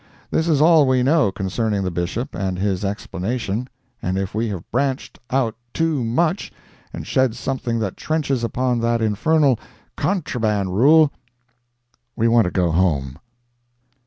This is all we know concerning the Bishop and his explanation, and if we have branched out too much and shed something that trenches upon that infernal "contraband" rule, we want to go home.